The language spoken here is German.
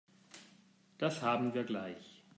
Das haben wir gleich.